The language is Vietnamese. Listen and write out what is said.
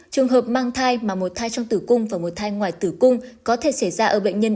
trường hợp mang thai mà một thai trong tử cung và một thai ngoài tử cung có thể xảy ra ở bệnh nhân